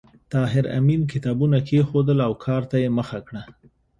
طاهر آمین کتابونه کېښودل او کار ته یې مخه کړه